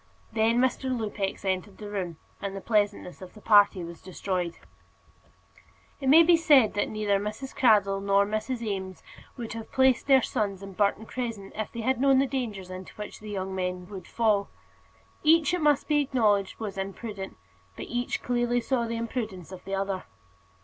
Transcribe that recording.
Then Mr. Lupex entered the room, and the pleasantness of the party was destroyed. It may be said that neither Mrs. Cradell nor Mrs. Eames would have placed their sons in Burton Crescent if they had known the dangers into which the young men would fall. Each, it must be acknowledged, was imprudent; but each clearly saw the imprudence of the other.